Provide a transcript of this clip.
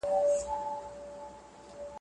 پړ هم يو وراشه لري.